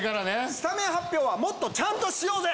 スタメン発表はもっとちゃんとしようぜ！